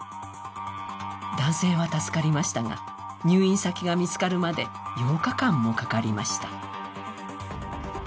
男性は助かりましたが、入院先が見つかるまで８日間もかかりました。